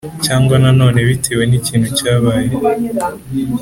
cyangwa na none bitewe n‘ikintu cyabaye